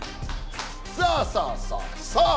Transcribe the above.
さあさあさあ！